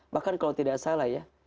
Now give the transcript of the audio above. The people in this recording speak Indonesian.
bahkan kalau tidak salah ya